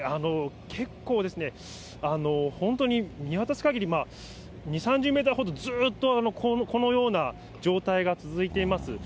結構ですね、本当に見渡すかぎり２、３０メーターほどずっとこのような状態が続いています。